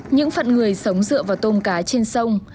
những phận người sống dựa vào tôm cá trên sông